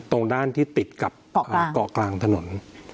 ตรงด้านที่ติดกับเกาะกลางถนน